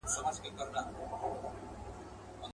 یو ناڅاپه پر یو سیوري برابر سو.